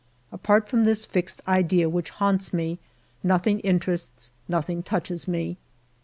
Apart from this fixed idea which haunts me, nothing interests, nothing touches me.